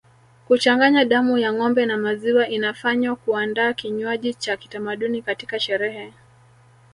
Kuchanganya damu ya ngombe na maziwa inafanywa kuandaa kinywaji cha kitamaduni katika sherehe